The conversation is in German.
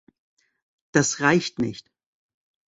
Das reicht nicht.